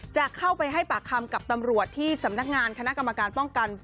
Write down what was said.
จะเข้าไปให้ปากคำกับตำรวจที่สำนักงานคณะกรรมการป้องกัน